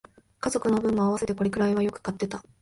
家族の分も合わせてこれくらいはよく買ってた